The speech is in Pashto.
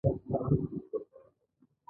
د نیوټرون ستوري کثافت ډېر لوړ دی.